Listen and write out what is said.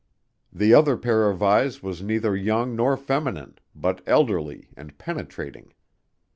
The other pair of eyes was neither young nor feminine, but elderly and penetrating.